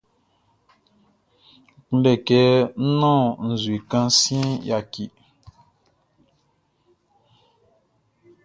N kunndɛ kɛ ń nɔ́n nzue kan siɛnʼn, yaki.